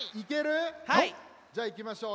じゃあいきましょう。